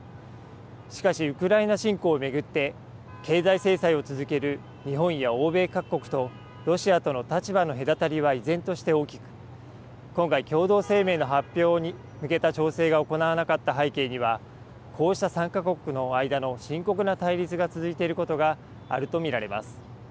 しかし、ウクライナ侵攻を巡って、経済制裁を続ける日本や欧米各国とロシアとの立場の隔たりは依然として大きく、今回、共同声明の発表に向けた調整が行われなかった背景には、こうした参加国の間の深刻な対立が続いていることがあると見られます。